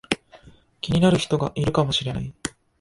気になる人がいるかもしれない